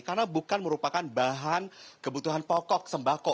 karena bukan merupakan bahan kebutuhan pokok sembako